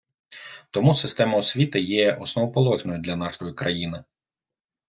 Тому система освіти є основоположною для нашої країни.